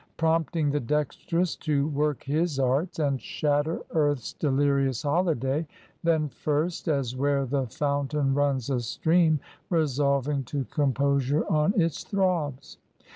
Prompting the Dexterous to work his arts, And shatter earth's delirious holiday, Then first, as where the fountain runs a stream, Resolving to composure on its throbs.